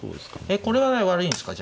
えこれは悪いんですか？